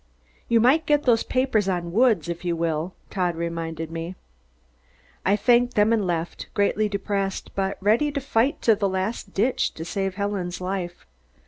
"You might get those papers on Woods, if you will," Todd reminded me. I thanked them and left, greatly depressed but ready to fight to the last ditch to save Helen's life.